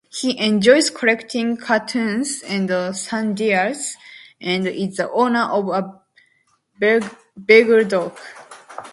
He enjoys collecting cartoons and sundials, and is the owner of a Beagle dog.